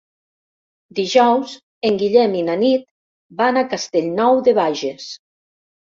Dijous en Guillem i na Nit van a Castellnou de Bages.